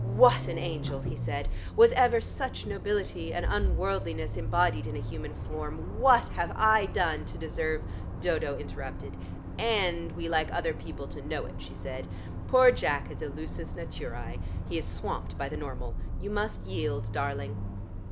"What an angel!" he said. "Was ever such nobility and unworldliness embodied in a human form? What have I done to deserve " Dodo interrupted. "And we like other people to know it," she said. "Poor Jack is a lusus naturæ; he is swamped by the normal. You must yield, darling."